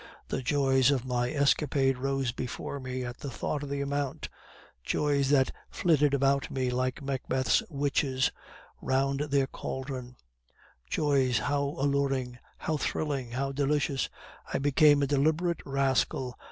The joys of my escapade rose before me at the thought of the amount; joys that flitted about me like Macbeth's witches round their caldron; joys how alluring! how thrilling! how delicious! I became a deliberate rascal.